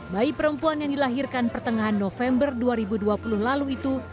bayi perempuan yang dilahirkan pertengahan november dua ribu dua puluh lalu itu